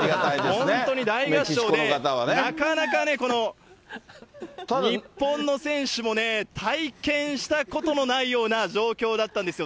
本当に大合唱で、なかなかこの日本の選手もね、体験したことのないような状況だったんですよ。